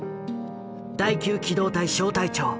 第九機動隊小隊長。